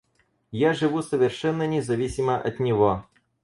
Я живу совершенно независимо от него.